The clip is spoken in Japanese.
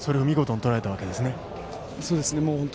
それを見事にとらえたわけですね。